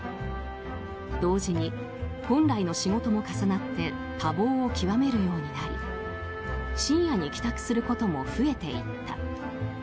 同時に本来の仕事も重なって多忙を極めるようになり深夜に帰宅することも増えていった。